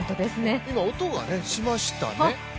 今、音がしましたね。